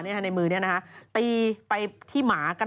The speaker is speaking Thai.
ในมือนี้นะคะตีไปที่หมากัน